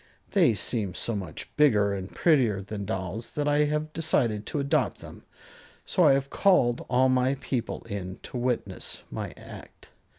They seem so much bigger and prettier than dolls that I have decided to adopt them, so I have called all my people in to witness my act."